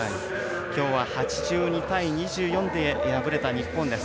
きょうは８２対２４で敗れた日本です。